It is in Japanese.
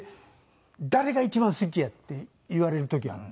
誰が一番好きやって言われる時ある。